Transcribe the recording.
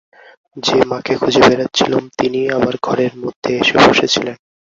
যে মাকে খুঁজে বেড়াচ্ছিলুম তিনিই আমার ঘরের মধ্যে এসে বসে ছিলেন।